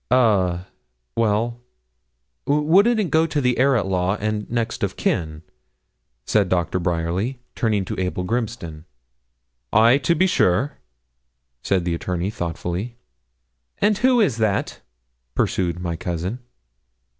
'Eh? Well wouldn't it go to the heir at law and next of kin?' said Doctor Bryerly, turning to Abel Grimston. 'Ay to be sure,' said the attorney, thoughtfully. 'And who is that?' pursued my cousin.